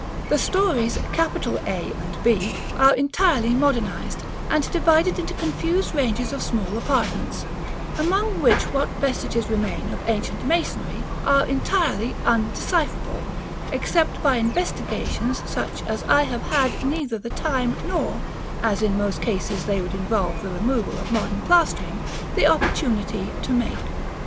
The stories A, B are entirely modernized, and divided into confused ranges of small apartments, among which what vestiges remain of ancient masonry are entirely undecipherable, except by investigations such as I have had neither the time nor, as in most cases they would involve the removal of modern plastering, the opportunity, to make.